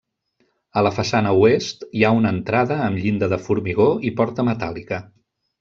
A la façana oest hi ha una entrada amb llinda de formigó i porta metàl·lica.